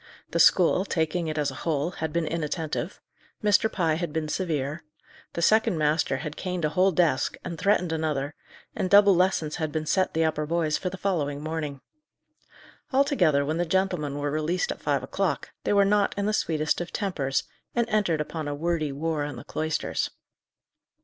The school, taking it as a whole, had been inattentive; Mr. Pye had been severe; the second master had caned a whole desk, and threatened another, and double lessons had been set the upper boys for the following morning. Altogether, when the gentlemen were released at five o'clock, they were not in the sweetest of tempers, and entered upon a wordy war in the cloisters.